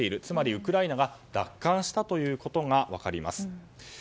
つまりウクライナが奪還したということが分かります。